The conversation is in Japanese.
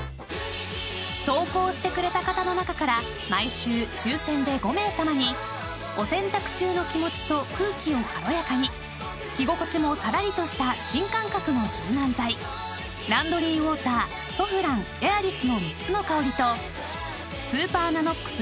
［投稿してくれた方の中から毎週抽選で５名さまにお洗濯中の気持ちと空気を軽やかに着心地もさらりとした新感覚の柔軟剤ランドリーウォーターソフランＡｉｒｉｓの３つの香りとスーパーＮＡＮＯＸ